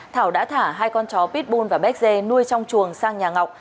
thảo đã thả hai con chó pitbull và béc dê nuôi trong chuồng sang nhà ngọc